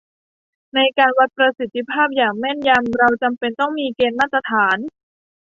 ในการวัดประสิทธิภาพอย่างแม่นยำเราจำเป็นต้องมีเกณฑ์มาตรฐาน